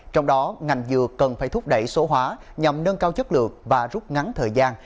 trong đó ngành dược cần phải thúc đẩy số hóa nhằm nâng cao chất lượng và rút ngắn thời gian